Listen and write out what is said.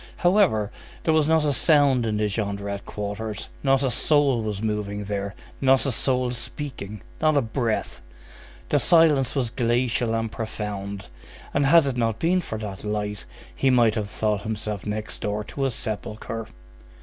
However, there was not a sound in the Jondrette quarters, not a soul was moving there, not a soul speaking, not a breath; the silence was glacial and profound, and had it not been for that light, he might have thought himself next door to a sepulchre.